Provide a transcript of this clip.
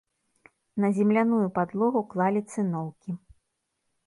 На земляную падлогу клалі цыноўкі.